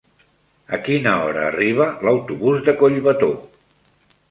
A quina hora arriba l'autobús de Collbató?